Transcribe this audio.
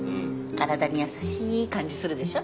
体に優しい感じするでしょ？